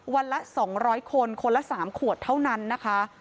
วันละ๒๐๐คนคนละ๓ขวดเท่านั้นนะคะ